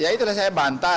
ya itu saya bantah